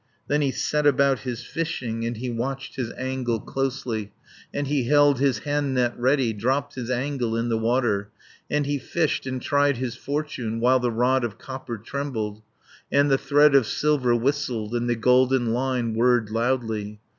Then he set about his fishing, And he watched his angle closely, And he held his hand net ready, Dropped his angle in the water, And he fished, and tried his fortune, While the rod of copper trembled, 50 And the thread of silver whistled, And the golden line whirred loudly.